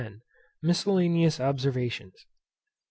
MISCELLANEOUS OBSERVATIONS.